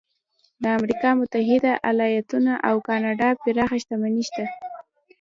د امریکا متحده ایالتونو او کاناډا پراخه شتمني شته.